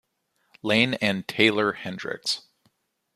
Lane and Taeler Hendrix.